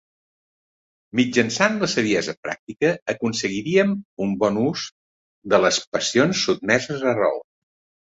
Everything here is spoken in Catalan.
Mitjançant la saviesa pràctica aconseguiríem un bon ús de les passions sotmeses a raó.